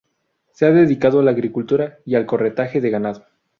Se ha dedicado a la agricultura y al corretaje de ganado.